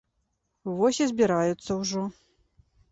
Вось і збіраюцца ўжо.